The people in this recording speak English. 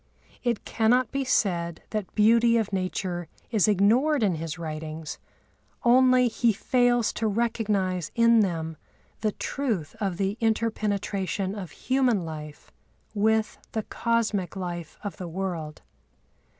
It cannot be said that beauty of nature is ignored in his writings; only he fails to recognise in them the truth of the inter penetration of human life with the cosmic life of the world.